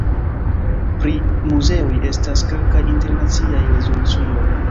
Pri muzeoj estas kelkaj internaciaj rezolucioj.